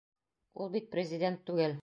Ул бит президент түгел.